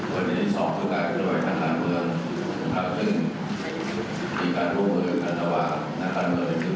วันนี้สอบทุกการคือไว้นักการเมือง